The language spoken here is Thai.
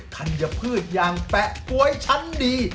ธัญพืชอย่างแปะก๊วยชั้นดี